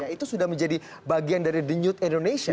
karena itu sudah menjadi bagian dari denyut indonesia